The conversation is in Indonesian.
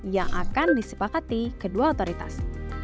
yang akan disepakati kedua otoritas